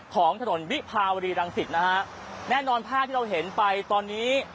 ของถนนวิภาวรีรังสิตนะฮะแน่นอนภาพที่เราเห็นไปตอนนี้